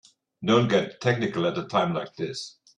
Don't get technical at a time like this.